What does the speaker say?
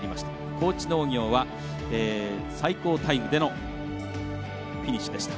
高知農業は最高タイムでのフィニッシュでした。